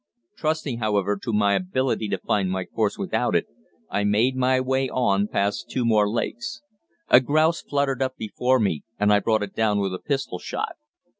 Trusting, however, to my ability to find my course without it, I made my way on past two more lakes. A grouse fluttered up before me, and I brought it down with a pistol shot.